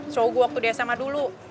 cowok gua waktu di sma dulu